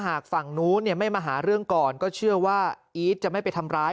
หากฝั่งนู้นไม่มาหาเรื่องก่อนก็เชื่อว่าอีทจะไม่ไปทำร้าย